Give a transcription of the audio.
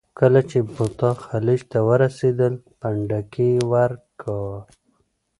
کله چې بوتا خلیج ته ورسېدل، پنډکی یې ورک و.